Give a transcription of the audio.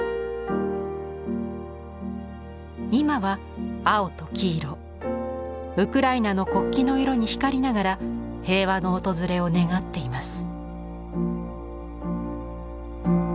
今は青と黄色ウクライナの国旗の色に光りながら平和の訪れを願っています。